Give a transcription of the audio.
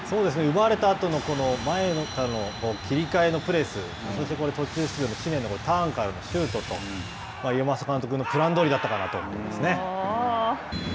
奪われたあとの前の切り替えのプレス、そして途中出場の知念のターンからのシュートと、プランどおりだったかなと思いますね。